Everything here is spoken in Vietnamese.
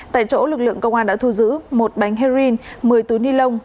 tại chỗ lực lượng công an đã thu giữ một bánh heroin một mươi túi ni lông